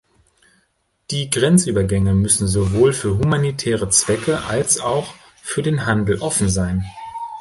Die Grenzübergänge müssen sowohl für humanitäre Zwecke als auch für den Handel offen sein.